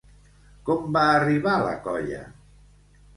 Com va arribar la colla?